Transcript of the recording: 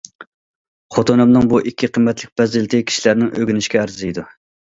خوتۇنۇمنىڭ بۇ ئىككى قىممەتلىك پەزىلىتى كىشىلەرنىڭ ئۆگىنىشىگە ئەرزىيدۇ.